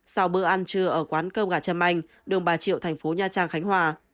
sau bữa ăn trưa ở quán cơm gà trâm anh đường bà triệu thành phố nha trang khánh hòa